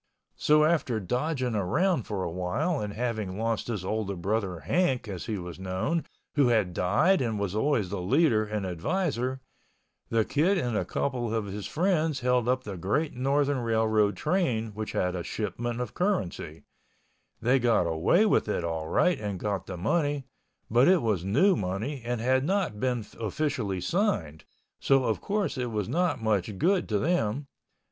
So after dodging around for a while and having lost his older brother, Hank, as he was known, who had died and was always the leader and adviser, the Kid and a couple of his friends held up the Great Northern Railroad train which had a shipment of currency—they got away with it all right and got the money, but it was new money and had not been officially signed, so of course it was not much good to them.